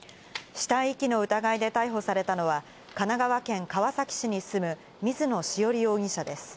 死体遺棄の疑いで逮捕されたのは神奈川県川崎市に住む水野潮理容疑者です。